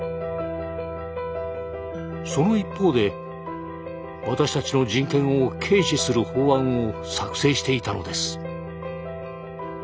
その一方で私たちの人権を軽視する法案を作成していたのです。